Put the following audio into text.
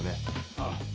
ああ。